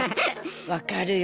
分かるよ。